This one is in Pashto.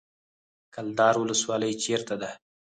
کلدار ولسوالۍ چیرته ده؟